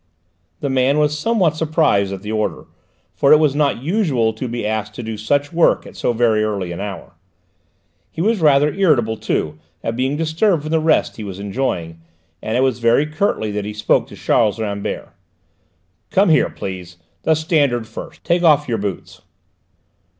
The man was somewhat surprised at the order, for it was not usual to be asked to do such work at so very early an hour. He was rather irritable too at being disturbed from the rest he was enjoying, and it was very curtly that he spoke to Charles Rambert. "Come here, please: the standard first: take off your boots."